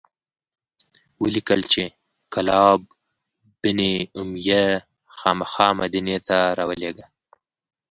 ولیکل چې کلاب بن امیة خامخا مدینې ته راولیږه.